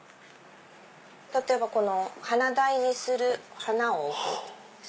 例えばこの花台にする花を置く。